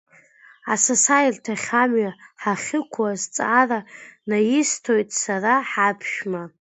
Асасааирҭахь амҩа ҳахьықәу азҵаара наисҭоит сара ҳаԥшәма.